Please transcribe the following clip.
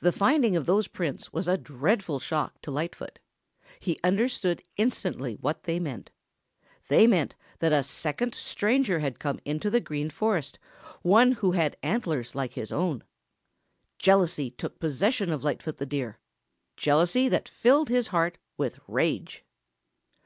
The finding of those prints was a dreadful shock to Lightfoot. He understood instantly what they meant. They meant that a second stranger had come into the Green Forest, one who had antlers like his own. Jealousy took possession of Lightfoot the Deer; jealousy that filled his heart with rage.